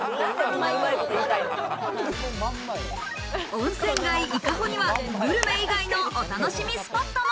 温泉街・伊香保にはグルメ以外のお楽しみスポットも。